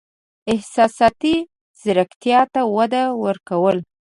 احساساتي زیرکتیا ته وده ورکول: